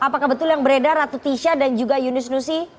apakah betul yang beredar ratu tisha dan juga yunis nusi